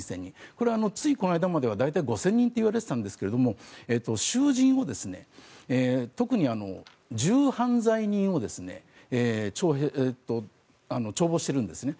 これはついこの間までは大体５０００人といわれていたんですが囚人、特に重犯罪人を徴募しているんですね。